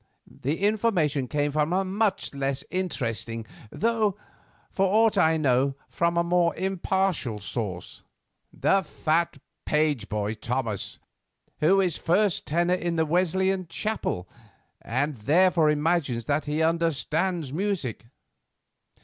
The information came from a much less interesting, though, for aught I know, from a more impartial source—the fat page boy, Thomas, who is first tenor in the Wesleyan chapel, and therefore imagines that he understands music."